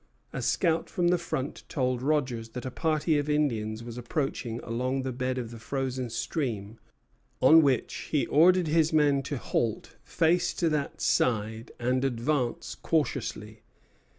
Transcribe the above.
A scout from the front told Rogers that a party of Indians was approaching along the bed of the frozen stream, on which he ordered his men to halt, face to that side, and advance cautiously.